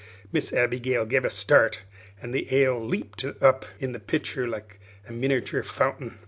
Miss Abigail gave a start, and the ale leaped up in the pitcher like a miniature fountain.